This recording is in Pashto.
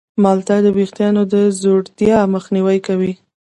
مالټه د ویښتانو د ځوړتیا مخنیوی کوي.